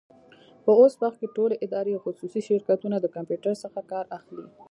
په اوس وخت کي ټولي ادارې او خصوصي شرکتونه د کمپيوټر څخه کار اخلي.